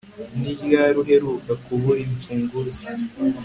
Ni ryari uheruka kubura imfunguzo